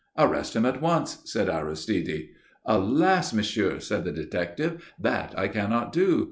"Arrest him at once," said Aristide. "Alas, Monsieur," said the detective, "that I cannot do.